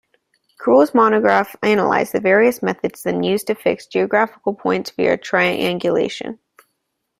Crul's monograph analyzed the various methods then used to fix geographic points via triangulation.